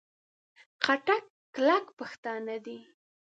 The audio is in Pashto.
خټک کلک پښتانه دي.